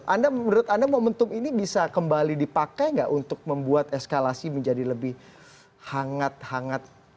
anda menurut anda momentum ini bisa kembali dipakai nggak untuk membuat eskalasi menjadi lebih hangat hangat